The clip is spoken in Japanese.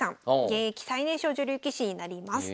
現役最年少女流棋士になります。